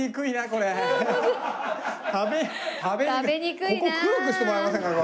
ここ黒くしてもらえませんかね。